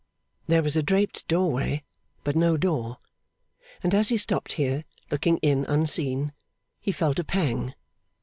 There was a draped doorway, but no door; and as he stopped here, looking in unseen, he felt a pang.